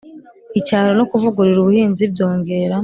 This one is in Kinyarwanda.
icyaro no kuvugurura ubuhinzi byongera